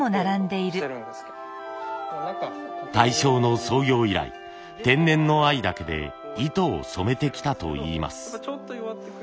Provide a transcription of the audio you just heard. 大正の創業以来天然の藍だけで糸を染めてきたといいます。